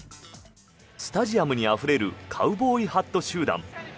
スタジアムにあふれるカウボーイハット集団。